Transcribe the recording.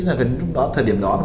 là gần lúc đó thời điểm đó